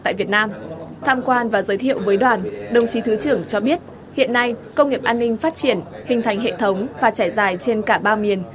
tại việt nam tham quan và giới thiệu với đoàn đồng chí thứ trưởng cho biết hiện nay công nghiệp an ninh phát triển hình thành hệ thống và trải dài trên cả ba miền